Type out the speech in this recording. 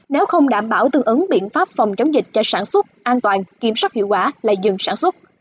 nếu không đảm bảo tương ứng biện pháp phòng chống dịch cho sản xuất an toàn kiểm soát hiệu quả lại dừng sản xuất